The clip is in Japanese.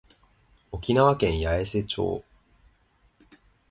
沖縄県八重瀬町